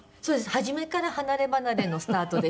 初めから離ればなれのスタートでした。